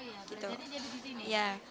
jadi ini di sini